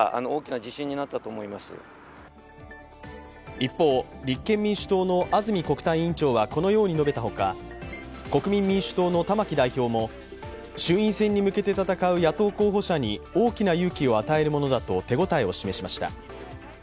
一方、立憲民主党の安住国対委員長はこのように述べた他国民民主党の玉木代表も、衆院選に向けて戦う野党候補者に大きな勇気を与えるものだと手応えを示しました。